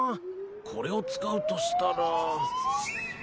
これを使うとしたら。